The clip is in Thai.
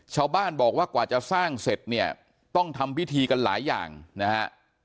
ชาวบ้านบอกว่ากว่าจะสร้างเสร็จเนี่ยต้องทำพิธีกันหลายอย่างนะฮะ